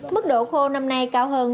mức độ khô năm nay cao hơn